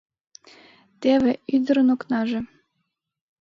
Теве — ӱдырын окнаже!